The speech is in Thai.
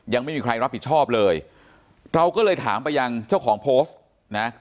ยังไม่มีใครรับผิดชอบเลยเราก็เลยถามไปยังเจ้าของโพสต์นะ